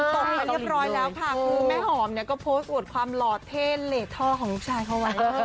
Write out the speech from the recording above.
ตกมาเรียบร้อยแล้วค่ะคือแม่หอมเนี่ยก็โพสต์อวดความหล่อเท่เหลท่อของลูกชายเขาไว้